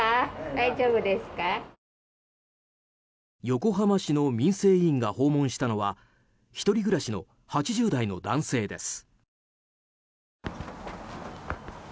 横浜市の民生委員が訪問したのは１人暮らしの８０代の男性です。